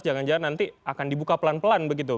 jangan jangan nanti akan dibuka pelan pelan begitu